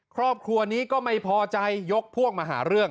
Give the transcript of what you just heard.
ครอบครัวนี้ก็ไม่พอใจยกพวกมาหาเรื่อง